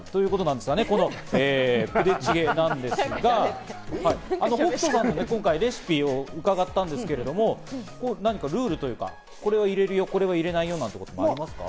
プデチゲなんですが、北斗さんに今回レシピを伺ったんですけど、何かルールというか、これは入れる、これは入れないとかありますか？